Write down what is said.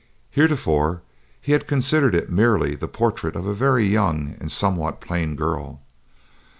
Heretofore he had considered it merely the portrait of a very young and somewhat plain girl.